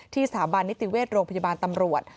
สถาบันนิติเวชโรงพยาบาลตำรวจ